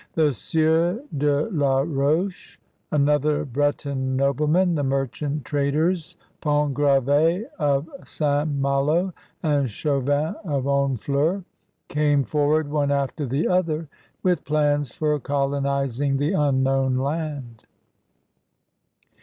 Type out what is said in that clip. The Sieur de La Roche, another Breton nobleman, the merchant traders, Pontgrav£ of St. Malo and Chauvin of Honfleur, came forward one after the other with plans for colonizing the imknown land.